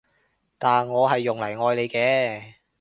但我係用嚟愛你嘅